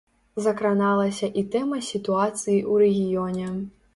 Закраналася і тэма сітуацыі ў рэгіёне.